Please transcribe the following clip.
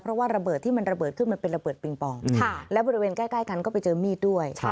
เพราะว่าระเบิดที่มันระเบิดขึ้นมันเป็นระเบิดปิงปองและบริเวณใกล้กันก็ไปเจอมีดด้วย